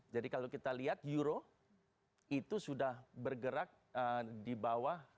jadi kalau kita lihat euro itu sudah bergerak di bawah